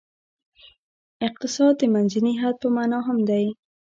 اقتصاد د منځني حد په معنا هم دی.